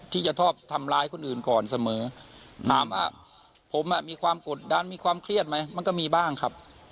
ที่จะชอบทำร้ายคนอื่นก่อนเสมอถามว่าผมอ่ะมีความกดดันมีความเครียดไหมมันก็มีบ้างครับ